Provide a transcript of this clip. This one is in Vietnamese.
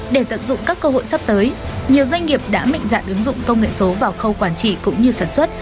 để tận dụng các cơ hội sắp tới nhiều doanh nghiệp đã mạnh dạn ứng dụng công nghệ số vào khâu quản trị cũng như sản xuất